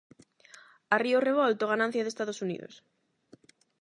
A río revolto, ganancia de Estados Unidos.